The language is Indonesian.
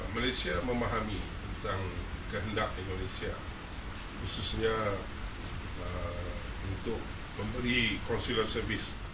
malaysia memahami tentang kehendak indonesia khususnya untuk memberi konsulensi